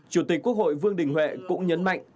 chủ tịch quốc hội vương đình huệ cũng nhấn mạnh